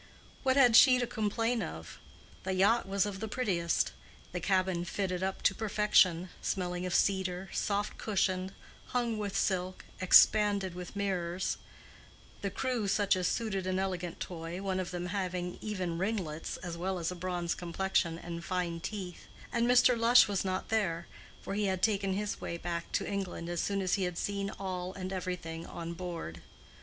What had she to complain of? The yacht was of the prettiest; the cabin fitted up to perfection, smelling of cedar, soft cushioned, hung with silk, expanded with mirrors; the crew such as suited an elegant toy, one of them having even ringlets, as well as a bronze complexion and fine teeth; and Mr. Lush was not there, for he had taken his way back to England as soon as he had seen all and everything on board.